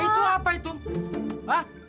itu apa itu hah